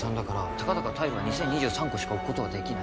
たかだかタイルは２０２３個しか置くことはできない